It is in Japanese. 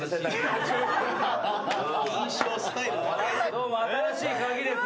どうも『新しいカギ』です。